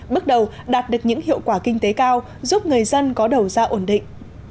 bước đầu đạt được những hiệu quả kinh tế cao giúp người dân có đầu ra ổn định